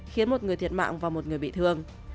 khiến một người thiệt mạng và một người bị thương